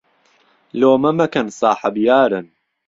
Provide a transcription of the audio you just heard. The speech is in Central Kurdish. لۆمە مەکەن ساحەب یارن